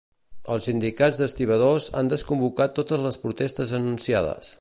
Els sindicats d'estibadors han desconvocat totes les protestes anunciades.